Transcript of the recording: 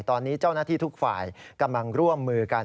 ตอนนี้เจ้าหน้าที่ทุกฝ่ายกำลังร่วมมือกัน